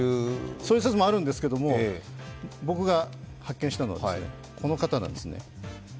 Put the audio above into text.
そういう説もあるんですけど、僕が発見したのはこの方なんですね。